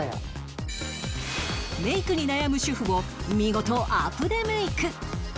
メイクに悩む主婦を見事アプデメイク